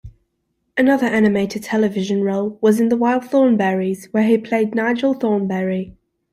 Another animated television role was in "The Wild Thornberrys", where he played Nigel Thornberry.